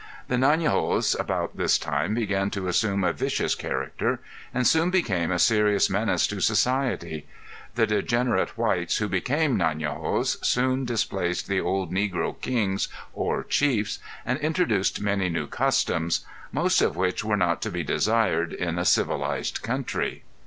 The ├æ├Ī├▒igos about this time began to assume a vicious character and soon became a serious menace to society; the degenerate whites who became ├æ├Ī├▒igos soon displaced the old negro kings or chiefs and introduced many new customs, most of which were not to be desired in a civilized country.